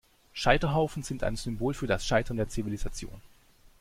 Scheiterhaufen sind ein Symbol für das Scheitern der Zivilisation.